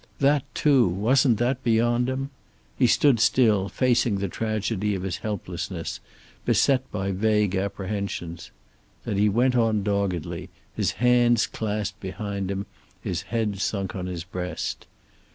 That, too, wasn't that beyond him? He stood still, facing the tragedy of his helplessness, beset by vague apprehensions. Then he went on doggedly, his hands clasped behind him, his head sunk on his breast.